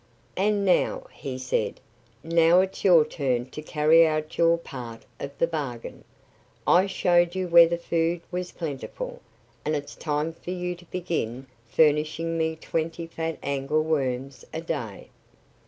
"And now" he said "now it's your turn to carry out your part of the bargain. I showed you where the food was plentiful; and it's time for you to begin furnishing me twenty fat angleworms a day."